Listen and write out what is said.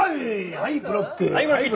はいブロック！